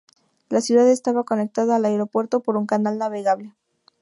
La ciudad estaba conectada al aeropuerto por un canal navegable.